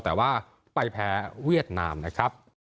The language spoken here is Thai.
แต่ว่าไปแพ้เวียดนามนะครับ